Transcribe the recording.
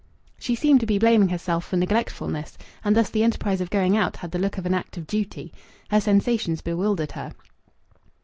She seemed to be blaming herself for neglectfulness, and thus the enterprise of going out had the look of an act of duty. Her sensations bewildered her.